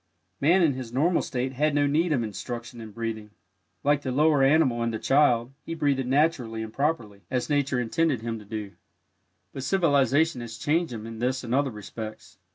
Man in his normal state had no need of instruction in breathing. Like the lower animal and the child, he breathed naturally and properly, as nature intended him to do, but civilization has changed him in this and other respects.